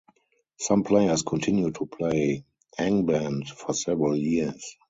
Some players continue to play "Angband" for several years.